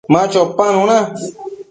Ma chopanuna